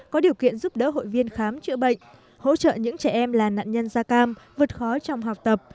có điều kiện giúp đỡ hội viên khám chữa bệnh hỗ trợ những trẻ em là nạn nhân da cam vượt khó trong học tập